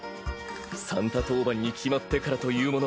サンタ当番に決まってからというもの